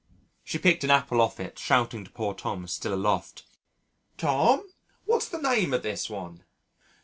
She picked an apple off it shouting to poor Tom still aloft, "Tom what's the name of this one?"